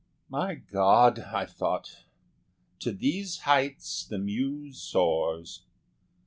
"My God!" I thought "to these heights the Muse soars."